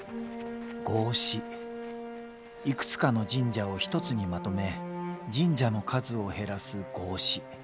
いくつかの神社を一つにまとめ神社の数を減らす合祀。